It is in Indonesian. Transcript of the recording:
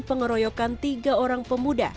pengeroyokan tiga orang pemuda